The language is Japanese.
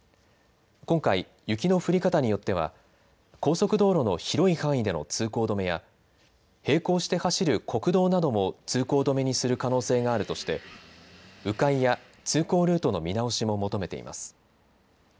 今回、雪の降り方によっては高速道路の広い範囲での通行止めや並行して走る国道なども通行止めにする可能性があるとしてう回や通行ルートの見直しも求めています。